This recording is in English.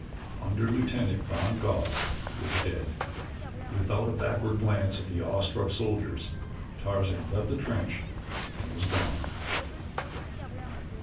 Underlieutenant von Goss was dead. Without a backward glance at the awe struck soldiers Tarzan leaped the trench and was gone.